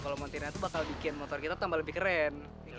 kalau montena itu bakal bikin motor kita tambah lebih keren